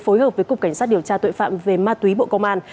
phối hợp với cục cảnh sát điều tra tội phạm về ma túy bộ công an